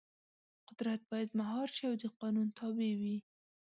قدرت باید مهار شي او د قانون تابع وي.